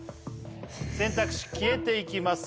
選択肢消えていきます